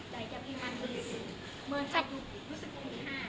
ใดแก่พิมพ์มันมือถ้ารู้สึกภูมิห้า